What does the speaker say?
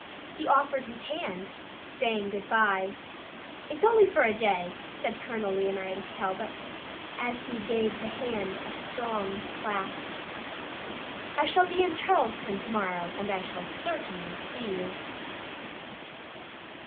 He offered his hand, saying good bye. "It's only for a day," said Colonel Leonidas Talbot, as he gave the hand a strong clasp. "I shall be in Charleston tomorrow, and I shall certainly see you."